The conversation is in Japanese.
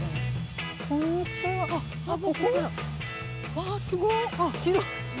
うわあすごっ！